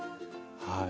はい。